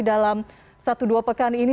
dalam satu dua pekan ini